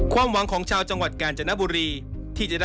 ความหวังของชาวจังหวัดกาญจนบุรี